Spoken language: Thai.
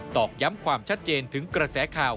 อกย้ำความชัดเจนถึงกระแสข่าว